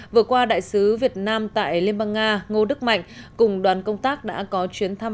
vừa qua đại sứ việt nam tại liên bang nga ngô đức mạnh cùng đoàn công tác đã có chuyến thăm